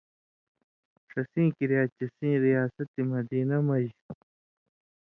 ݜسیں کریا چے سِیں ریاست مدینہ مژ